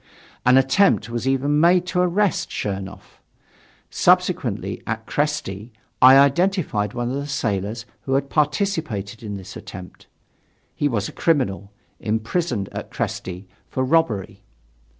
An attempt was even made to arrest Chernoff. Subsequently, at Kresty, I identified one of the sailors who had participated in this attempt; he was a criminal, imprisoned at Kresty for robbery.